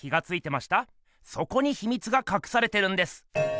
そこにひみつがかくされてるんです。